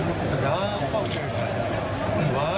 มีดังส่วนตรงแหน่งของมัน